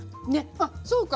あっそうか！